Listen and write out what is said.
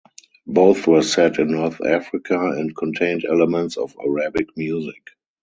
Both were set in North Africa and contained elements of Arabic music.